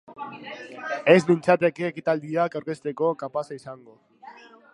Ez nintzateke ekitaldiak aurkezteko kapaza izango.